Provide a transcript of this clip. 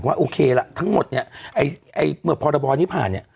ก็ว่าโอเคแหละทั้งหมดการที่ผ่าน